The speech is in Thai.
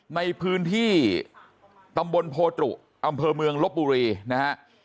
ในพื้นที่ตำบลโพตุอำเภอเมืองลบบุรีนะฮะ